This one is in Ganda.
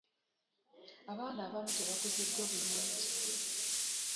Abaana abamu tebakuziddwa bulungi.